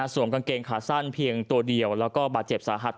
กางเกงขาสั้นเพียงตัวเดียวแล้วก็บาดเจ็บสาหัส